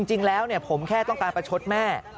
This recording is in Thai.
จริงแล้วผมแค่ต้องการประชดแม่